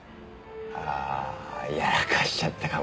ああやらかしちゃったかもねぇ。